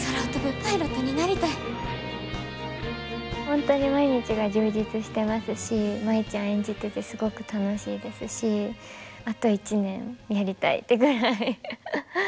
本当に毎日が充実してますし舞ちゃん演じててすごく楽しいですしあと１年やりたいってぐらいハハハ。